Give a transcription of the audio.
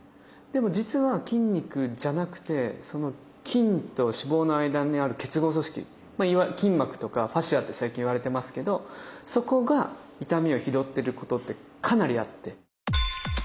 でも実は筋肉じゃなくてその筋と脂肪の間にある結合組織いわゆる筋膜とかファシアって最近いわれてますけどそこが痛みを拾ってることってかなりあって。